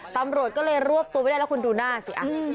ตำรวจก็เลยรวบตัวไว้ได้แล้วคุณดูหน้าสิ